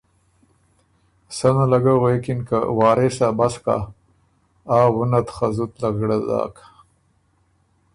سنه له ګۀ غوېکِن که ”وارثا! بس کَۀ، آ وُنه ت خه زُت لغِړه داک،